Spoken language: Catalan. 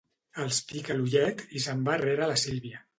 Els pica l'ullet i se'n va rere la Sílvia.